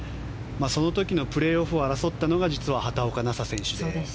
その時のプレーオフを争ったのが実は畑岡奈紗選手で。